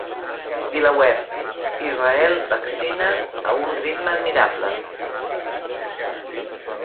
VilaWeb: Israel vaccina a un ritme admirable.